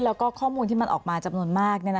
แล้วก็ข้อมูลที่มันออกมาจำนวนมาก